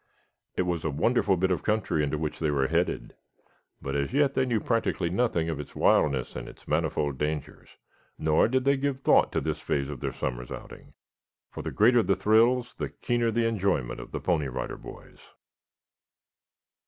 It was a wonderful bit of country into which they were headed, but as yet they knew practically nothing of its wildness and its manifold dangers, nor did they give thought to this phase of their summer's outing, for, the greater the thrills, the keener the enjoyment of the Pony Rider Boys.